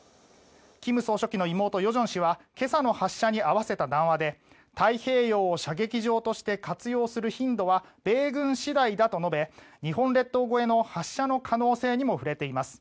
金総書記の妹・与正氏は今朝の発射に合わせた談話で太平洋を射撃場として活用する頻度は米軍次第だと述べ日本列島越えの発射の可能性にも触れています。